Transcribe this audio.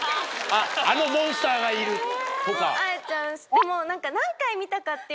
でも。